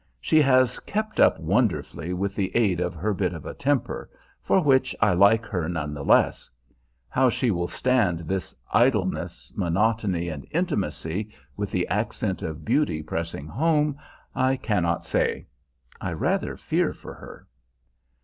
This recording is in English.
She has kept up wonderfully, with the aid of her bit of a temper, for which I like her none the less. How she will stand this idleness, monotony, and intimacy, with the accent of beauty pressing home, I cannot say. I rather fear for her.